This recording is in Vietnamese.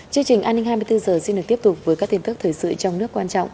chương trình an ninh hai mươi bốn h xin được tiếp tục với các tin tức thời sự trong nước quan trọng